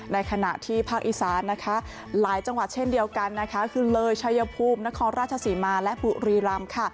ในขณะที่ภาคอีสานหลายจังหวัดเช่นเดียวกันก็คือเลสชัยภูมินครราชสีมาและภูฮีร